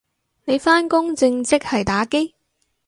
你返工正職係打機？